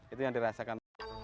itu yang dirasakan